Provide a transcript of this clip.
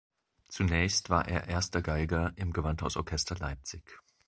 Zunächst war er Erster Geiger im Gewandhausorchester Leipzig.